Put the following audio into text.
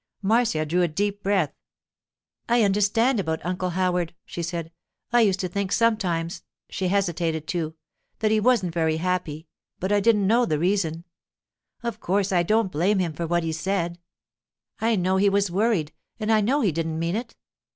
Marcia drew a deep breath. 'I understand about Uncle Howard,' she said. 'I used to think sometimes—' she hesitated too—'that he wasn't very happy, but I didn't know the reason. Of course I don't blame him for what he said; I know he was worried, and I know he didn't mean it.